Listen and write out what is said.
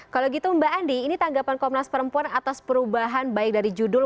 kalau gitu mbak andi ini tanggapan komnas perempuan atas perubahan baik dari judul